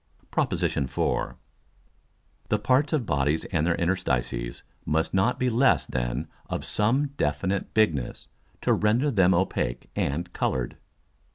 PROP. IV. _The Parts of Bodies and their Interstices must not be less than of some definite bigness, to render them opake and colour'd.